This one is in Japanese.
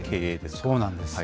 そうなんです。